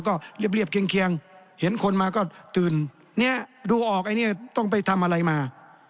ก็เรียบเคียงเห็นคนมาก็ตื่นเนี่ยดูออกไอ้เนี่ยต้องไปทำอะไรมา